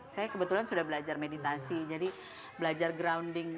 saya kebetulan sudah belajar meditasi jadi belajar grounding